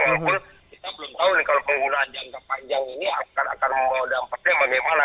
walaupun kita belum tahu nih kalau penggunaan jangka panjang ini akan membawa dampaknya bagaimana